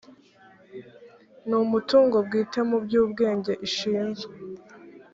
n umutungo bwite mu by ubwenge ishinzwe